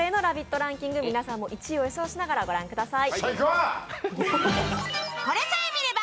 ランキング、皆さんも１位を予想しながら御覧ください。